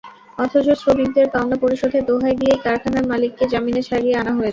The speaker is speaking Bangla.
অথচ শ্রমিকদের পাওনা পরিশোধের দোহাই দিয়েই করখানার মালিককে জামিনে ছাড়িয়ে আনা হয়েছে।